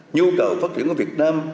nhu cầu phát triển của việt nam